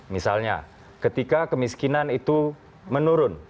misalnya ketika kemiskinan itu menurun